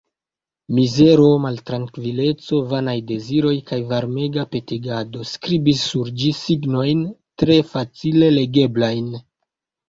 Mizero, maltrankvileco, vanaj deziroj kaj varmega petegado skribis sur ĝi signojn tre facile legeblajn.